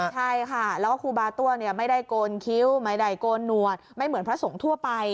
ใช่ค่ะแล้วก็ครูบาตั้วไม่ได้โกนคิ้วไม่ได้โกนหนวดไม่เหมือนพระสงฆ์ทั่วไป